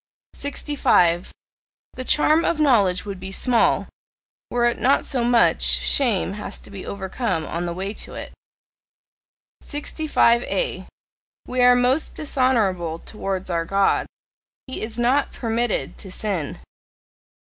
65. The charm of knowledge would be small, were it not so much shame has to be overcome on the way to it. 65A. We are most dishonourable towards our God: he is not PERMITTED to sin.